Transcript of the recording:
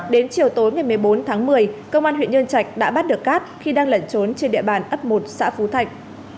đến chiều tối ngày một mươi bốn tháng một mươi công an huyện nhân trạch đã bắt được cát khi đang lẩn trốn trên địa bàn ấp một xã phú thạnh